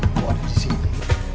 kok ada disini